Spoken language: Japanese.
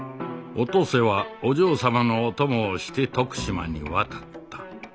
お登勢はお嬢様のお供をして徳島に渡った。